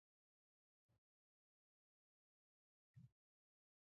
د لړم د چیچلو لپاره د هوږې او مالګې ضماد وکاروئ